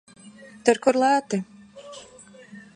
Tur, kur lēti.